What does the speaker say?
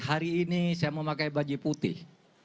hari ini saya memakai baju putih